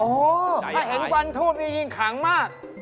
โอ้โฮถ้าเห็นควันทูบมีจริงขังมาก